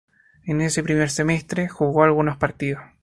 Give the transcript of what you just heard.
En ese primer semestre, jugó algunos partidos.